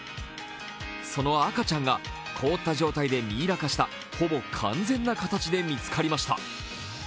その赤ちゃんが凍った状態でミイラ化したほぼ完全な形で見つかりました。